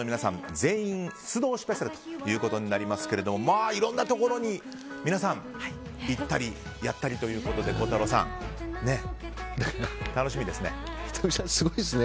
全員出動スペシャルとなりますがいろんなところに皆さん行ったりやったりということで孝太郎さん、楽しみですね。